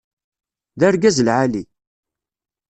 D argaz lɛali.